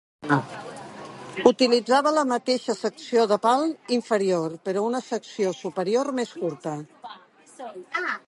Utilitzava la mateixa secció de pal inferior, però una secció superior més curta.